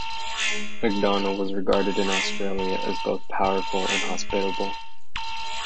MacDonnell was regarded in Australia as both 'powerful and hospitable'.